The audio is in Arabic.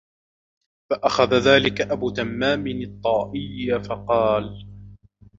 فَأَخَذَ ذَلِكَ أَبُو تَمَّامٍ الطَّائِيُّ فَقَالَ